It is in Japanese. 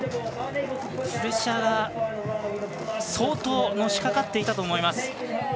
プレッシャーが相当のしかかっていたと思います。